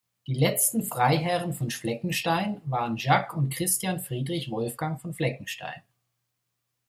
Die letzten Freiherren von Fleckenstein waren Jacques und Christian Friedrich Wolfgang von Fleckenstein.